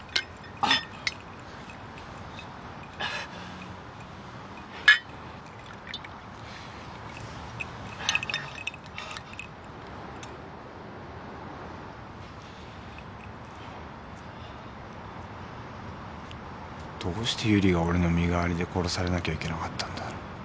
どうして由理が俺の身代わりで殺されなきゃいけなかったんだ？